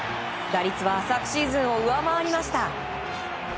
打率は昨シーズンを上回りました。